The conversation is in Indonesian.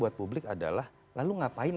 buat publik adalah lalu ngapain